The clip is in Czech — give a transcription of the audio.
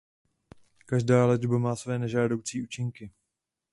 Každá léčba má své nežádoucí účinky.